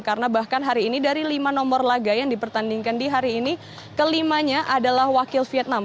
karena bahkan hari ini dari lima nomor laga yang dipertandingkan di hari ini kelimanya adalah wakil vietnam